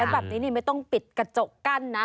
แบบนี้นี่ไม่ต้องปิดกระจกกั้นนะ